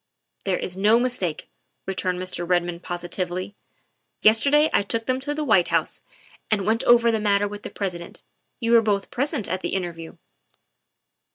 " There is no mistake," returned Mr. Redmond posi tively ;'' yesterday I took them to the White House and went over the matter with the President. You were both present at the interview.